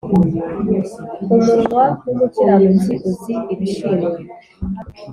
umunwa w’umukiranutsi uzi ibishimwa,